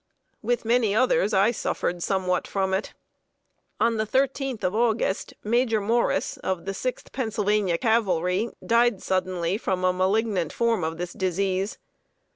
With many others, I suffered somewhat from it. On the 13th of August, Major Morris, of the Sixth Pennsylvania Cavalry, died suddenly from a malignant form of this disease.